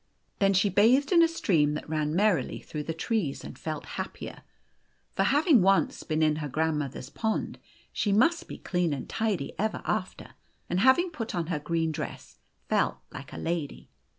Then she bathed in a stream that ran merrily through the trees, and felt happier ; for having once been in her grandmother's pond, she must be clean and tidy ever after; and, having put on her green dress, felt like a lady.